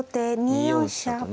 ２四飛車とね